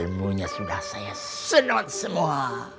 ilmunya sudah saya sedot semua